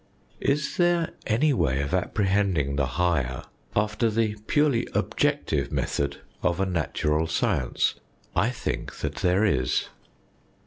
Is there any way of apprehending the higher after the purely objective method of a natural science ? I think that there is.